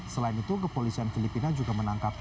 selain itu kepolisian filipina juga menangkap